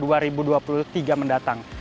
yang akan mendatang